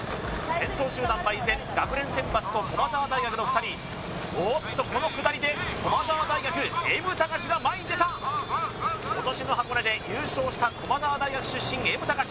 先頭集団は依然学連選抜と駒澤大学の２人おっとこの下りで駒澤大学Ｍ高史が前に出た今年の箱根で優勝した駒澤大学出身Ｍ高史